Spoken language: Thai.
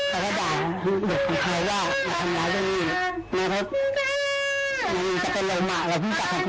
พ่อจะบอกแก่คุณเล็กมาว่าหน้าคำร้ายเรื่องรึไม่